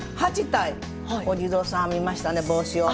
８体お地蔵さん編みましたね帽子を。